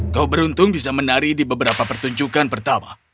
kau beruntung bisa menari di beberapa pertunjukan pertama